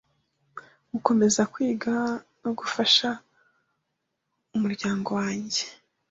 gukomeza kwiga no gufasha umuryango wange.